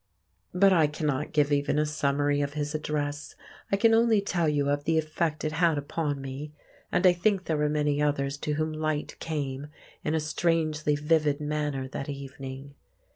But I cannot give even a summary of his address; I can only tell you of the effect it had upon me, and I think there were many others to whom Light came in a strangely vivid manner that evening.